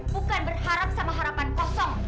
bukan berharap sama harapan kosong